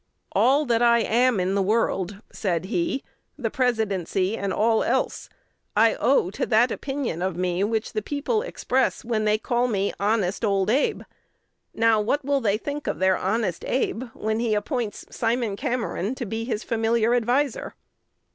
"All that I am in the world," said he, "the Presidency and all else, I owe to that opinion of me which the people express when they call me 'honest Old Abe.' Now, what will they think of their honest Abe, when he appoints Simon Cameron to be his familiar adviser?"